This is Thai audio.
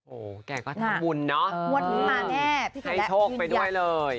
โอ้โหแกก็ทำบุญเนอะงวดนี้มาแน่ให้โชคไปด้วยเลย